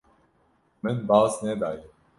Min baz nedaye.